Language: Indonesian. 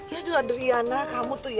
yaduh adriana kamu tuh ya